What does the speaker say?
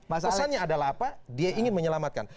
batasannya adalah apa dia ingin menyelamatkan